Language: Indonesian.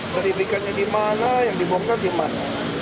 sertifikatnya di mana yang dibongkar di mana